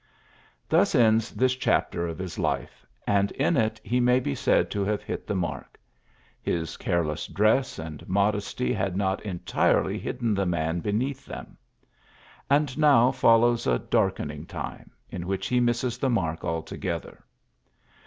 Thus ends this chapter of his Ufb, and in it he may be said to have hit the mark. His careless dress and modesty had not entirely hidden the man be neath them. And now follows a dark ening time, in which he misses the mark altogether.